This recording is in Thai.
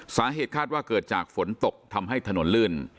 สาเหตุคาดว่าเกิดจากฝนตกทำให้ถนนลื่น